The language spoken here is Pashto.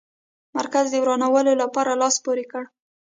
مرکز د ورانولو لپاره لاس پوري کړ.